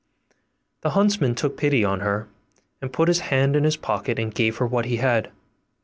The huntsman took pity on her, and put his hand in his pocket and gave her what he had.